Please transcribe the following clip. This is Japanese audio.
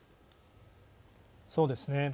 そうですね。